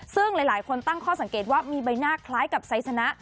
ซึ่งหลายคนตั้งข้อสังเกตว่ามีใบหน้าคล้ายกับไซสนะ